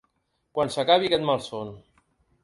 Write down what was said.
Quan s’acabi aquest malson.